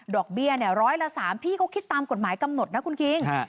เบี้ยร้อยละ๓พี่เขาคิดตามกฎหมายกำหนดนะคุณคิง